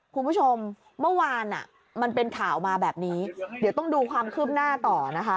คุณผู้ชมเมื่อวานอ่ะมันเป็นข่าวมาแบบนี้เดี๋ยวต้องดูความคืบหน้าต่อนะคะ